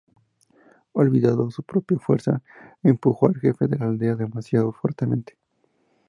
Olvidando su propia fuerza, empujó al jefe de la aldea demasiado fuertemente.